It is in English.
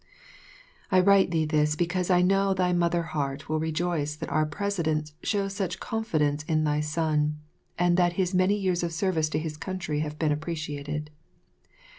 I write thee this because I know thy mother heart will rejoice that our President shows such confidence in thy son, and that his many years of service to his country have been appreciated.